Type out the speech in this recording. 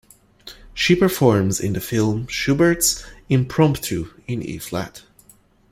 She performs in the film Schubert's Impromptu in E flat.